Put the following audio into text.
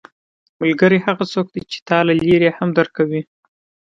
ملګری هغه څوک دی چې تا له لرې هم درک کوي